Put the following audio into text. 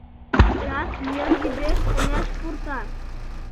Чечас ер вӱдеш тынеш пурта.